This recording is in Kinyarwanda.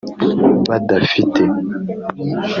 badafite”